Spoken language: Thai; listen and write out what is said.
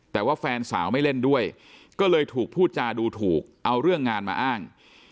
แต่ว่าแฟนสาวไม่เล่นด้วยก็เลยถูกพูดจาดูถูกเอาเรื่องงานมาอ้าง